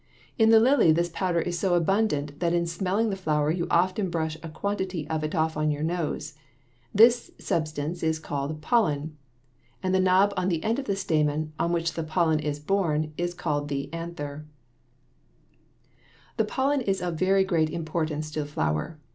In the lily this powder is so abundant that in smelling the flower you often brush a quantity of it off on your nose. This substance is called pollen, and the knob on the end of the stamen, on which the pollen is borne, is the anther. [Illustration: FIG. 32. A PLUM BLOSSOM] The pollen is of very great importance to the flower.